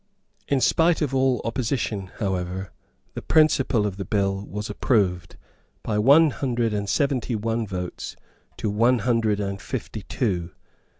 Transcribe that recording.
In spite of all opposition, however, the principle of the bill was approved by one hundred and seventy one votes to one hundred and fifty two.